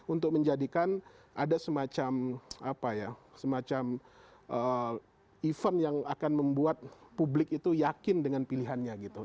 untuk menjadikan ada semacam event yang akan membuat publik itu yakin dengan pilihannya gitu